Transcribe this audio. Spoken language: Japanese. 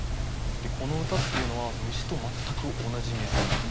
この歌っていうのは虫と全く同じ目線。